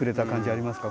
ありますか？